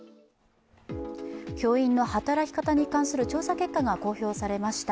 教員の働き方に関する調査結果が公表されました。